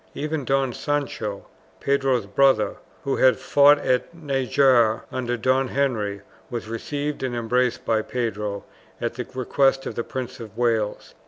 Even Don Sancho, Pedro's brother, who had fought at Najarra under Don Henry, was received and embraced by Pedro at the request of the Prince of Wales.